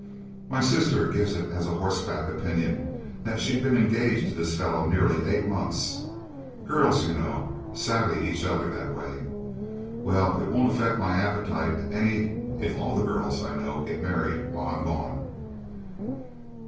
My sister gives it as a horseback opinion that she'd been engaged to this fellow nearly eight months; girls, you know, sabe each other that way. Well, it won't affect my appetite any if all the girls I know get married while I'm gone."